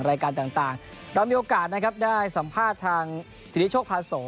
รายการต่างเรามีโอกาสนะครับได้สัมภาษณ์ทางสิริโชคพาโส